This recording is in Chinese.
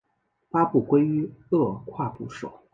八部归于二划部首。